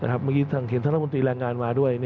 เห็นธรรมบริษัทมาด้วย